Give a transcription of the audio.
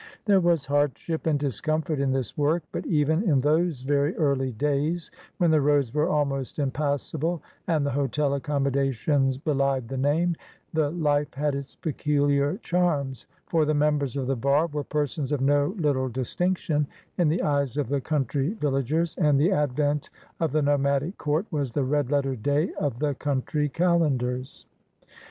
There was hardship and discomfort in this work, but even in those very early days, when the roads were almost impassable and the hotel accommodations belied the name, the life had its peculiar charms, for the members of the bar were persons of no little distinction in the eyes of the country vil lagers, and the advent of the nomadic court was the red letter day of the country calendars.